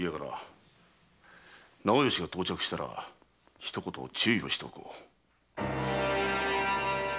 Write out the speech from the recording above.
直致が到着したら一言注意をしておこう。